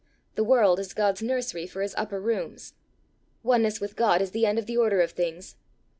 The world is God's nursery for his upper rooms. Oneness with God is the end of the order of things.